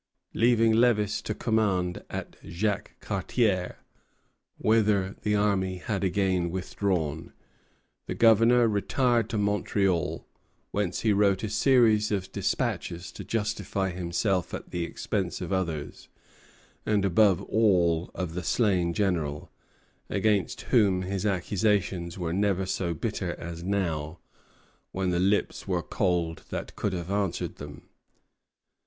Leaving Lévis to command at Jacques Cartier, whither the army had again withdrawn, the Governor retired to Montreal, whence he wrote a series of despatches to justify himself at the expense of others, and above all of the slain general, against whom his accusations were never so bitter as now, when the lips were cold that could have answered them.